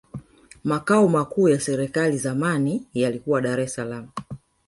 makao makuu ya serikali zamani yalikuwa dar es salaam